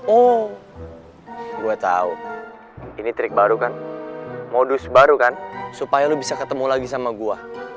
oh gue tahu ini trik baru kan modus baru kan supaya lo bisa ketemu lagi sama gue